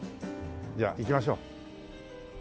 じゃあ行きましょう。